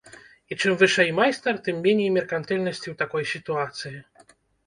І чым вышэй майстар, тым меней меркантыльнасці ў такой сітуацыі.